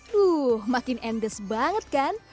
tuh makin endes banget kan